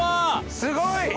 すごい！